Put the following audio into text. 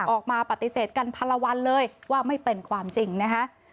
ออกมาปฏิเสธกันพันละวันเลยว่าไม่เป็นความจริงนะคะ